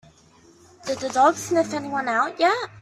Did the dog sniff anyone out yet?